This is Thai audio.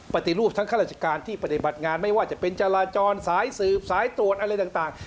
ปฏิรูปทั้งข้าราชการที่ปฏิบัติงานไม่ว่าจะเป็นจราจรสายสืบสายตรวจอะไรต่าง